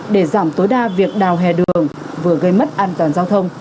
để giảm tối đa việc đào hè đường vừa gây mất an toàn giao thông